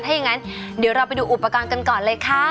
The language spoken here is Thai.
ถ้าอย่างนั้นเดี๋ยวเราไปดูอุปกรณ์กันก่อนเลยค่ะ